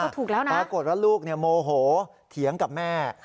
ถูกแล้วนะปรากฏว่าลูกโมโหเถียงกับแม่